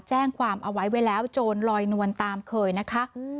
แจ้งความเอาไว้ไว้แล้วโจรลอยนวลตามเคยนะคะ